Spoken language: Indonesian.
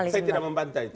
saya tidak membantai itu